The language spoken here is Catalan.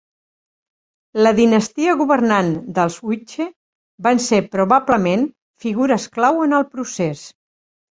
La dinastia governant dels Hwicce van ser probablement figures clau en el procés.